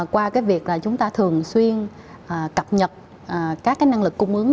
qua việc chúng ta thường xuyên cập nhật các năng lực cung ứng